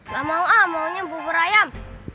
gak mau ah maunya bubur ayam